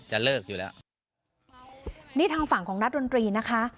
จะเลิกอยู่แล้วนี่ทางฝั่งของนักดนตรีนะคะ